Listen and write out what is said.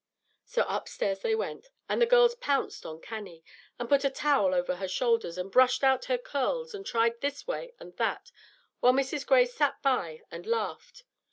So upstairs they went, and the girls pounced on Cannie, and put a towel over her shoulders, and brushed out her curls, and tried this way and that, while Mrs. Gray sat by and laughed.